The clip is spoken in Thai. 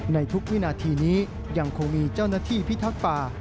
ในทุกวินาทีนี้ยังคงมีเจ้าหน้าที่พิทักษ์ป่า